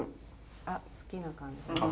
あっ好きな感じです。